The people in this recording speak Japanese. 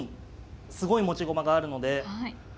すごい持ち駒があるので。